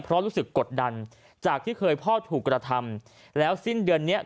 เพราะรู้สึกกดดันจากที่เคยพ่อถูกกระทำแล้วสิ้นเดือนเนี้ย